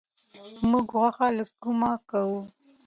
موږ غوښه له کومه کوو؟